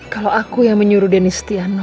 kalau aku yang menyuruh dennis tiano